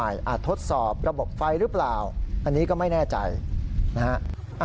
ทดสอบระบบไฟหรือเปล่าอันนี้ก็ไม่แน่ใจนะฮะ